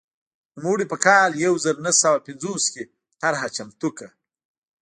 نوموړي په کال یو زر نهه سوه پنځوس کې طرحه چمتو کړه.